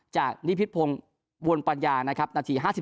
นิพิษพงศ์วนปัญญานะครับนาที๕๓